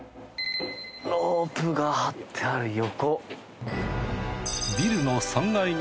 ロープが張ってある横。